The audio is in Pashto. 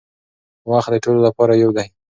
وخت د ټولو لپاره یو دی.